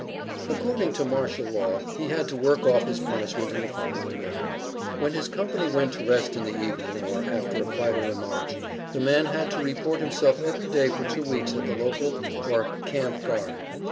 According to martial law he had to work off his punishment in the following manner: When his company went to rest in the evening, or after a fight or a march, the man had to report himself every day for two weeks at the local or camp guard.